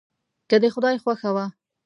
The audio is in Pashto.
که د خدای خوښه وه.